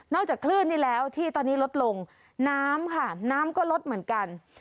จากคลื่นนี่แล้วที่ตอนนี้ลดลงน้ำค่ะน้ำก็ลดเหมือนกัน